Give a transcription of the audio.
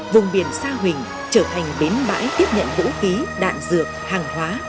vùng biển sa huỳnh trở thành bến bãi tiếp nhận vũ khí đạn dược hàng hóa